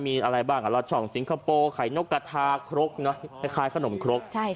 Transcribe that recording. มีอะไรบ้างละช่องสิงคโปร์ไข่นกกระทาครกคล้ายขนมครก